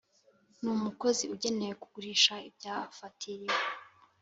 N umukozi ugenewe kugurisha ibyafatiriwe